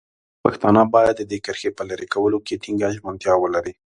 پښتانه باید د دې کرښې په لرې کولو کې ټینګه ژمنتیا ولري.